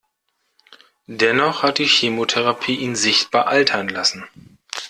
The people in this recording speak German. Dennoch hat die Chemotherapie ihn sichtbar altern lassen.